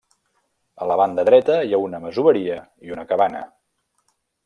A la banda dreta hi ha una masoveria i una cabana.